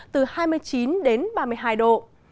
từ hai mươi chín đến ba mươi hai độ